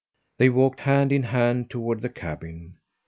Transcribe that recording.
They walked hand in hand toward the cabin.